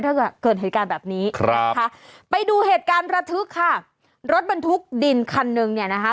ถ้าเกิดเหตุการณ์แบบนี้ค่ะไปดูเหตุการณ์ระทึกค่ะรถบันทุกดินคันหนึ่งนี่นะฮะ